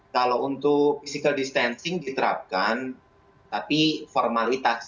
kalau untuk physical distancing diterapkan tapi formalitas